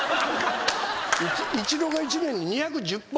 イチローが１年に２１０本。